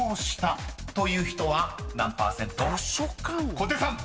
［小手さん］